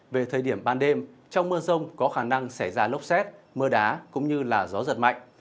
về thời điểm ban đêm trong mưa rông có khả năng xảy ra lốc xét mưa đá cũng như gió giật mạnh